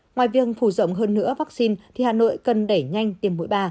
ngoài việc phù rộng hơn nữa vaccine thì hà nội cần đẩy nhanh tiêm mũi ba